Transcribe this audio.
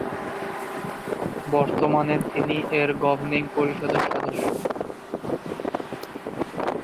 বর্তমানে তিনি এর গভর্নিং পরিষদের সদস্য।